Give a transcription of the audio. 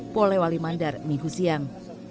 polewali mandar minggu siang